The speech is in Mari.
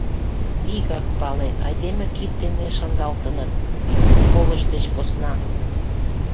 Вигак пале: айдеме кид дене шындалтыныт, Юмын полыш деч посна.